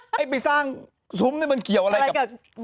ไปสร้างสุมมันเกี่ยวอะไรกับแม่จักรเคียน